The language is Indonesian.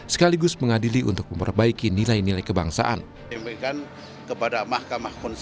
sekaligus mengadili untuk memperbaiki nilai nilai kebangsaan